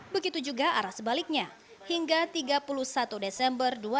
begitu juga arah sebaliknya hingga tiga puluh satu desember dua ribu dua puluh